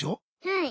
はい。